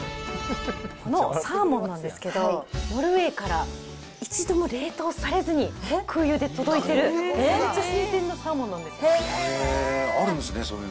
このサーモンなんですけど、ノルウェーから一度も冷凍されずに空輸で届いてる、めっちゃ新鮮あるんですね、そういうの。